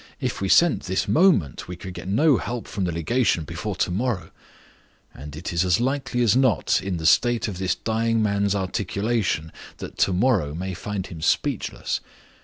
"If we sent this moment, we could get no help from the legation before to morrow; and it is as likely as not, in the state of this dying man's articulation, that to morrow may find him speechless.